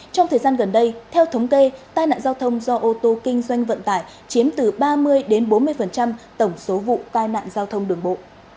trong thời gian gần đây theo thống kê tai nạn giao thông do ô tô kinh doanh vận tải chiếm từ ba mươi bốn mươi tổng số vụ tai nạn giao thông đường bộ